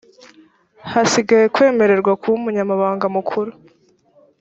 hasigaye kwemererwa kuba umunyamabanga mukuru